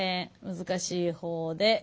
難しい方ではい。